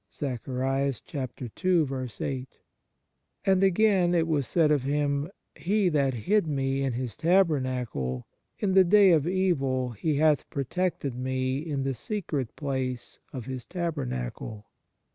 4 And, again, it was said of Him: " He hath hid me in His tabernacle; in the day of evil He hath protected me in the secret place of His tabernacle."